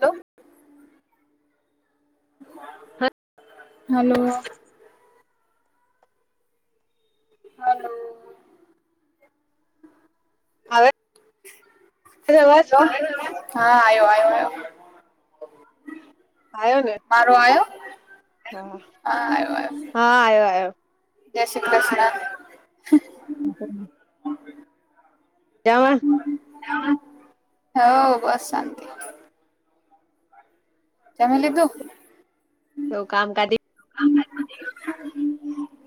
Hello, હા. Hello, hello, આવે, છે અવાજ હલો, હા આવ્યો આવ્યો આવ્યો. આવ્યો ને, મારો આવ્યો? હા આયો આયો. હા આવ્યો આવ્યો જય શ્રી કૃષ્ણ. હમ, જાવાન, હવ બસ શાંતિ, જમી લીધું? તો કામ કા [unintelligible]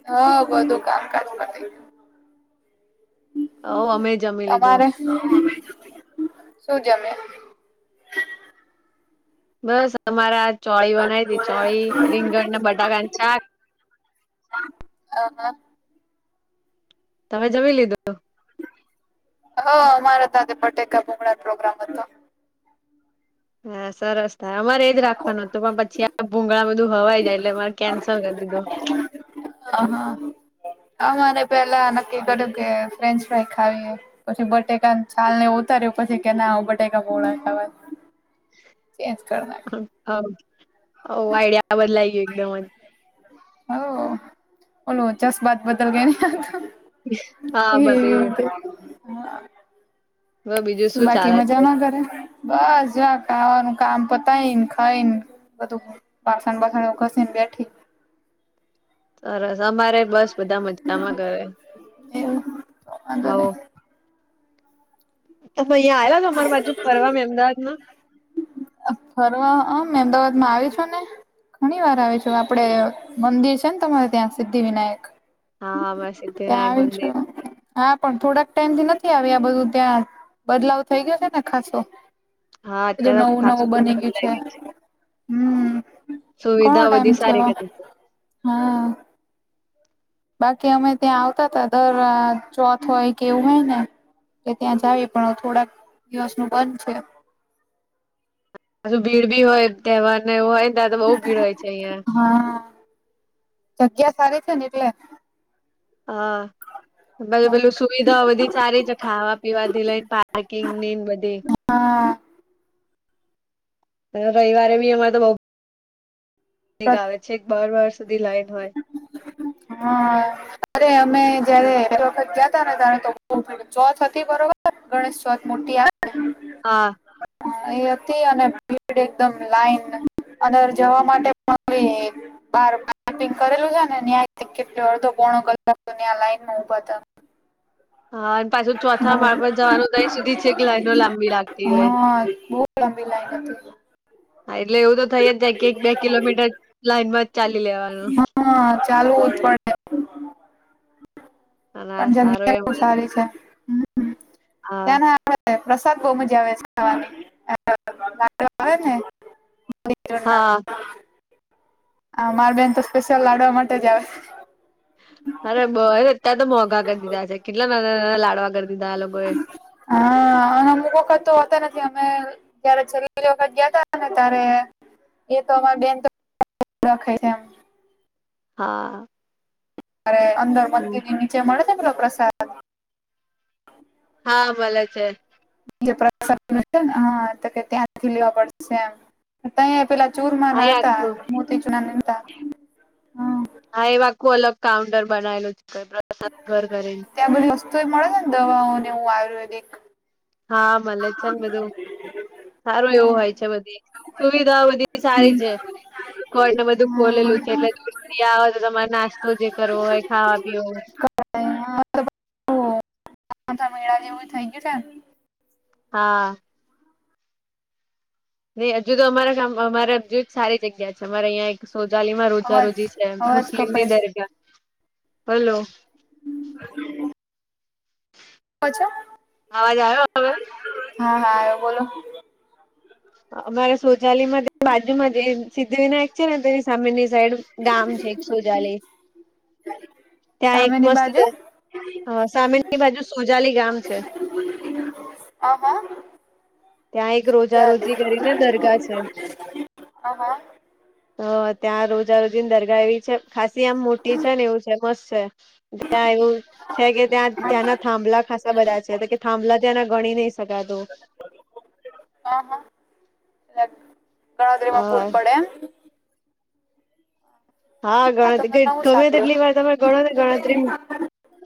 હા બધું કામકાજ કરે. હવ અમેય જમી લીધું. [inaudible] શું જમ્યા? બસ તમારા ચોળી બનાવી તી ચોળી રીંગણ ના બટાકા છાક અહ તમે જવી લીધું હા અમારા સાથે ફટેકા ભમણા પ્રોગ્રામ હતો હા સરસ થાય અમારે એજ રાખવાનું હતું પણ પછી આ ભુંંગળામાં બધું હવાઈ જાય એટલે મારે કેન્સલ કરી દીધું હ હા અરે પેલા નક્કી કર્યું કે ફ્રેન્ચ ફ્રાાઈ ખાવીએ પછી બટેકા છાલ ને ઉતાર્યું પછી કે ના બટેકા પોળા ખવા ચન્જ કર આઈડિયા બદલા ગય એકદમ જ હ ઓોલુંચસ વાત બદલ કે હા એ બસ એવું હવે બીજું શું સુું ચાલે બાકીમાં છે જમા કરે બસ જક ખાવાનું કામ પતાય ને ખાઈ ને બધું બાસણ બાસણ ઓગસન બે્યાઠી સરસ અમારે બસ બધા મજામાં કરે એવું વાંધો નઈ આવો હ અહં આ્યા અમાર બાજુ પરવા અમદાવાદમાં ફરવા મે અમદાવાદ માં આવી છો ને ઘણી વાર છેું આપડે મંદિર છે ને તમારે સિદ્ધિ વિનાયક હા બ ત્યાં આવી છું સધ હા પણ થોડાક ટાઈમ નથી આવી આ બધું ત્યાં બદલાવ થઈ ગયો ને ખાસો હા બધું અત્યારે તો નવું નવું ખાસું બની બધું ગયું છે લાગે હમ કોણ સુવિધા ટાઈમ બધી સારી થયો કરી છે. હા બાકી અમે ત્યાં આવતા તા દર ચોથ હોય કે એવું હોય ને કે ત્યાં જાવ પણ થોડાક દિવસ નું બંધ છે હું ભીડ ભી હોય તહેવાર ને એવું હોય ને ત તો બહુ ભીડ હોય છે અહિયાં હા જગ્યા સારી છે ને એટલે હા ુ પેલું સુવિધાઓ બધી સારી છે ખાવા પીવાથી લઈને પાર્કિંગ નીને બધી હા રવવારે બી અમે તો બ ગ આવે છે એક બાર વાર સુધી લાઈન હોય હા અરે અમે જયારે વખત ગયા ત ને ત તો ચોથ હતી બરોબર ગણેશ ચોથ મોટી આવે હા એ હતી અને ભીડ એકદમ લાઈન અનેંદર જવા માટે બાર પાર્કિંગ કરેલું છે ને ન્યાથી કેટલો અડધો કોણો લાઈન માં ઉઊભા થ હા અને પાછું હા માળ પર જવાનું દહીં સુધી કે લાઈનો લાંબી લાગતી હોય હા બ બી લ હા એટલે એવું તો થઈ જ જાય કે એક બે કિલોમીટર લાઈનમાં જ ચાલી લેવાનું ચાલુ ઉત્પ અને પણ સારું જગ્યા બ એ સારી છે હા ત્યાં પ્રસાદ બહુ મજા આવે છે ખાવાની આવે ને. [unintelligible] હા [unintelligible] આ માર બેન તો સ્પેશિયલ લાડવા માટે જ આવે. અરે બહુ અત્યારે તો મોંઘા કરી દીધા છે કેટલા નાના નાના લાડવા કરી દીધા આ લોકોએ હા અને અમુક વખત તો હોતા નથી અમે. જયારે છેલ્લી વખત ગ્યાતા ને ત્યારે એ તો અમારી બેન તો [unintelligible] હા અરે અંદર મંદિરની નીચે મળે છે પેલો પ્રસાદ હા મળે છે. જે પ્રસંગ છે ને [unintelligible] હા તો કે ત્યાંથી લેવા પડશે એમ. તં પેલા ચૂરમા હા ના એ હતા. આખું મોતીચૂનામત નતા. હા એવા આખું અલગ કાઉન્ટર બનાયલું પ્રસાદ ઘર ત્યાં બધી વસ્તુ મળે છે ને દવાઓ ને એ આયુર્વેદિક હા મળે છે બધું. સારું એવું આયુ છે બધી સુવિધા બધી સારી છે. કો ને બધું હા. ખોલેલું છે એટલે દૂર થી આવો તો તમારે નાસ્તો જે કરવો હોય ખાવા પીવો [unintelligible] મેળા જેવું થઇ ગયું છેને. હા નહી હજુ તો અમારા અમારે હજુ સારી જગ્યા છે અમારે અહીંયા એક સોજાલી માં રોજા અવાજ રોજી છે અવાજ કપાય મુસ્લિમની છે દરગાહ હલો [unintelligible] અચ્છા હા અવાજ આવ્યો હવે હા આયો બોલો. અમારા [unintelligible] માં બાજુ માં સિદ્ધિ વિનાયક છે ને તેની સામેનની સાઇડ ગામ છે સુજાલય. ત્યાં એક સામેની મસ્ત બાજુ સામેની બાજુ સોજાલી ગામ છે. હ હ.. ત્યાં એક રોજા સોજાલી રોજી કરીને દરગાહ છે હહ.. હ ત્યાં રોજા રોજી ની દરગાહ એવી છે ખાસી આમ મોટી છે ને એવું છે મસ્ત છે. ત્યાં એવું. છે કે ત્યાં ત્યાંના થાંભલા ખાસા બધા છે કે થાંભલા ત્યાંના ગણી નહી શકાતું. હ હા એ અ ગણતરીમાં ભૂલ પડે એમ હા આ તો મેં ગણતરી નવું ગમે સાંભળ્યું તેટલી વાર તમે ગણો ગણતરી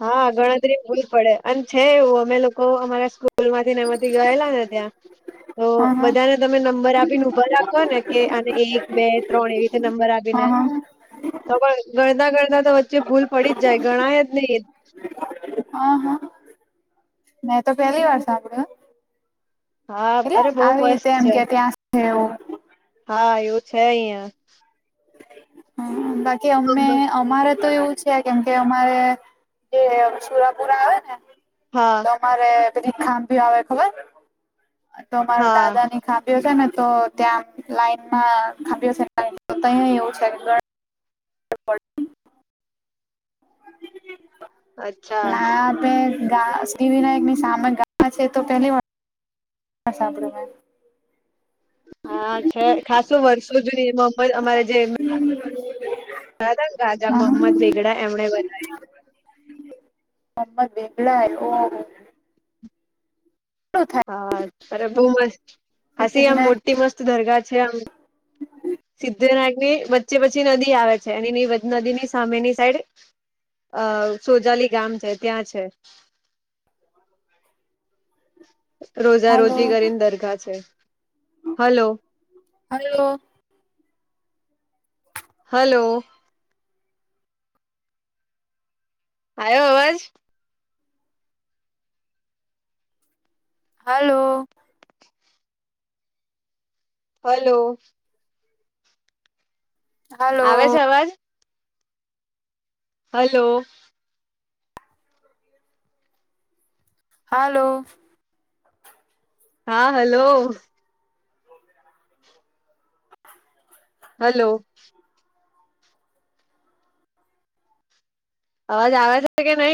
હા ગણતરી ભૂલ પડે અને છે એવું અમે લોકો અમારા સ્કૂલ માંથી મળતી ગયેલા ને ત્યાં તો અહા બધાને તમે નંબર આપી ને ઉભા રાખો ને કે અને એક બે ત્રણ એવી રીતે નંબર આપ [unintelligible] હા ગણતા ગણતા તો વચ્ચે ભૂલ પડી જાય ગણાય જ નહી. હહ.. મેં તો પહેલી વાર સાંભળ્યું. હા એટલે અરે બહુ આવી રીતે મસ્ત એમ કે [unintelligible] છે એવું હા એવું છે અહીંયા. હ બાકી અમે અમારે તો એવું જ કેમકે અમારે જે સુરાપુરા આવે ને હા, તો અમારે પેલી [unintelligible] આવે ખબર તો માર દાદા હા ની ખાભ્યો છે ને, તો ત્યાં લાઈનમાં ખાબ્યો છે, તં એવું છે. ડ [unintelligible] અચ્છા પણ આ [unintelligible] વિનાયકની સામે ગ છે તો પહેલી વા હ સાંભળ્યું મેં હા છે ખાસું વર્ષો જુની મ અમારે જે રાદમગાજા હા મોહમ્મદ વેગડા એમને બનાવ્યું. મોહમ્મદ બેગડાય ઓ હો ઓ, થાય હા અરે બહુ મસ્ત સિદ્ધિ ખાસી આમ વિનાયક મોટી મસ્ત દરગાહ છે આમ, સિદ્ધ્યવિનાયક ની વચ્ચે વચ્ચી નદી આવે છે અનેની નદી ની સામેની સાઈડ અ સોજાલી ગામ છે, ત્યાં છે. રોજા રોજી હલો. કરીને દરગાહ છે, હલો. હલ્લો. હલો. આવ્યો અવાજ. હલો, હલો, આવે હલો છે અવાજ, હલો, હાલો, હા હલો, હલો, અવાજ આવે છે કે નહી,